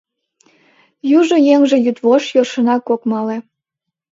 Южо еҥже йӱдвошт йӧршынак ок мале.